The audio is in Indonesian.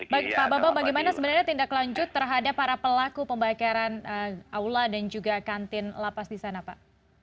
baik pak bambang bagaimana sebenarnya tindak lanjut terhadap para pelaku pembakaran aula dan juga kantin lapas di sana pak